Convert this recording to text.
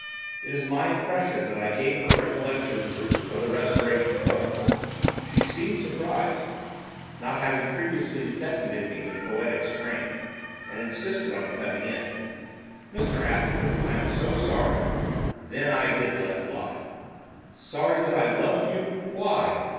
It is my impression that I gave her recollections of the Restoration poets. She seemed surprised, not having previously detected in me the poetic strain, and insisted on cutting in. 'Mr Atherton, I am so sorry.' Then I did let fly. 'Sorry that I love you! why?